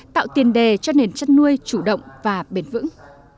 tạo tiền đề cho nền chăn nuôi chủ động và bền vững